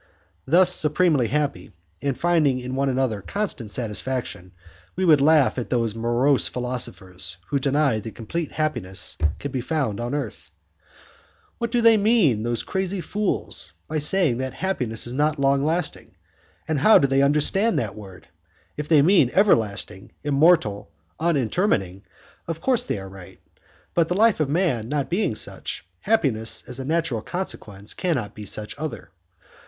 Thus supremely happy, and finding in one another constant satisfaction, we would laugh at those morose philosophers who deny that complete happiness can be found on earth. "What do they mean, darling those crazy fools by saying that happiness is not lasting, and how do they understand that word? If they mean everlasting, immortal, unintermitting, of course they are right, but the life of man not being such, happiness, as a natural consequence, cannot be such either.